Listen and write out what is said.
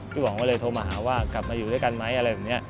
พี่บังก็เลยโทรมาหาว่ากลับมาอยู่ด้วยกันไหม